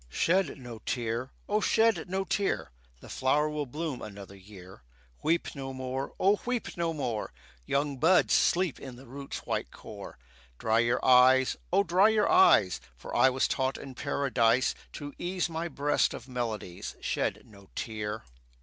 Shed no tear! O shed no tear! The flower will bloom another year. Weep no more! O weep no more! Young buds sleep in the root's white core. Dry your eyes! O dry your eyes, For I was taught in Paradise To ease my breast of melodies Shed no tear.